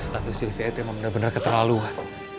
tentu sylvia itu emang bener bener keterlaluan